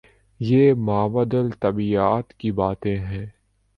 یہ مابعد الطبیعیات کی باتیں ہیں۔